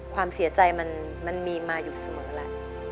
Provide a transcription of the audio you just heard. ความเสียใจมันมีมาอยู่เสมอแหละ